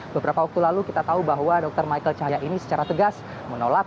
beberapa waktu lalu kita tahu bahwa dr michael cahaya ini secara tegas menolak